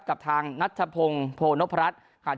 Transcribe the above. กับทางนัชพงศ์โพนพรัช